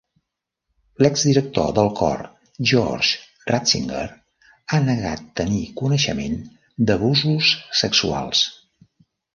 L'ex director del cor Georg Ratzinger ha negat tenir coneixement d'abusos sexuals.